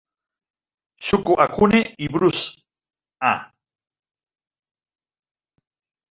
Shuko Akune i Bruce A.